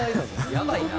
やばいな。